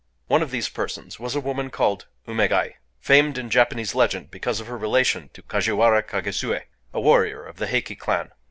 One of these persons was a woman called Umégaë,—famed in Japanese legend because of her relation to Kajiwara Kagesue, a warrior of the Heiké clan.